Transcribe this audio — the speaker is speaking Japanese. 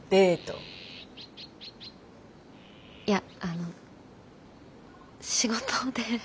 いやあの仕事で。